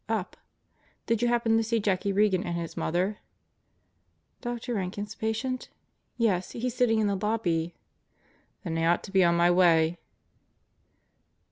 "Up." "Did you happen to see Jackie Regan and his mother?" "Dr. Rankin's patient? Yes, he's sitting in the lobby." "Then I ought to be on my way."